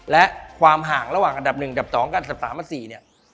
และความห่างระหว่างอันดับ๑อันดับ๒กับอันดับ๓และ๔